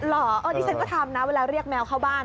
เหรอเออดิฉันก็ทำนะเวลาเรียกแมวเข้าบ้าน